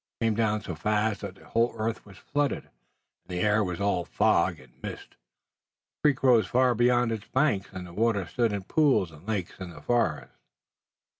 It came down so fast that the whole earth was flooded, and the air was all fog and mist. The creek rose far beyond its banks, and the water stood in pools and lakes in the forest.